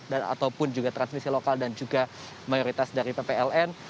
dan ataupun juga transmisi lokal dan juga mayoritas dari ppln